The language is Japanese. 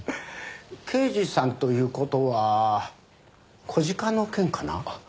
刑事さんという事は小鹿の件かな？